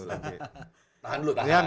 tahan dulu tahan